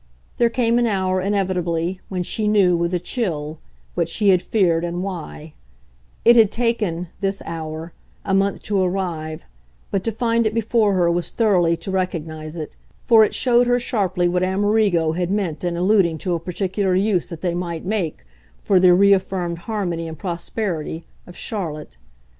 There came an hour, inevitably, when she knew, with a chill, what she had feared and why; it had taken, this hour, a month to arrive, but to find it before her was thoroughly to recognise it, for it showed her sharply what Amerigo had meant in alluding to a particular use that they might make, for their reaffirmed harmony and prosperity, of Charlotte.